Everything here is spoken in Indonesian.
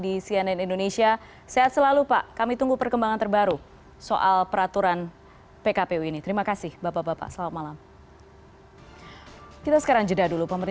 dan kemudian bagaimana kita membawa demokrasi melalui percara ini di masa pandemi